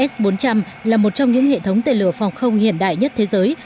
s bốn trăm linh là một trong những hệ thống tên lửa phòng không hiện đại nhất thế giới